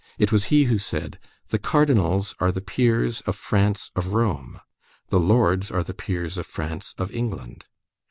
It was he who said: "The Cardinals are the peers of France of Rome; the lords are the peers of France of England."